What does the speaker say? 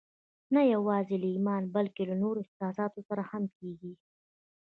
نه يوازې له ايمان بلکې له نورو احساساتو سره هم کېږي.